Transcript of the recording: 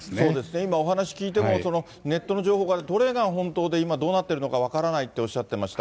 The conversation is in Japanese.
今お話聞いても、ネットの情報がどれが本当で今どうなってるのか分からないっておっしゃってました。